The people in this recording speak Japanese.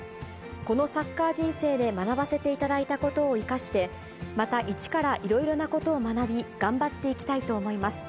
このサッカー人生で学ばせていただいたことを生かして、また一からいろいろなことを学び、頑張っていきたいと思います。